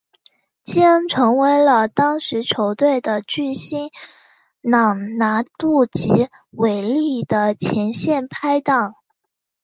基恩成为了当时球队的巨星朗拿度及韦利的前线拍挡。